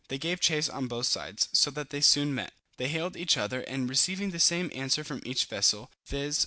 They gave chase on both sides, so that they soon met. They hailed each other and receiving the same answer from each vessel, viz.